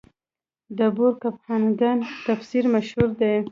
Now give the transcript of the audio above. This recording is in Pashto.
د بور کپنهاګن تفسیر مشهور دی.